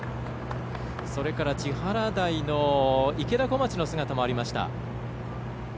それから、千原台の池田こまちの姿もありました。